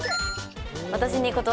私に。